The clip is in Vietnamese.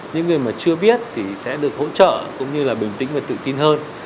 những người mà chưa biết thì sẽ được hỗ trợ cũng như là bình tĩnh và tự tin hơn